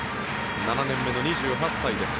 ７年目の２８歳です。